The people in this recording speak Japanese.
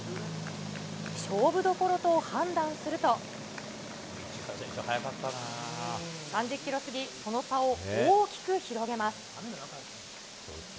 勝負どころと判断すると、３０ｋｍ過ぎ、その差を大きく広げます。